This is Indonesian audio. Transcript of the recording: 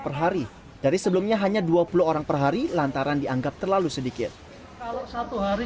perhari dari sebelumnya hanya dua puluh orang perhari lantaran dianggap terlalu sedikit satu hari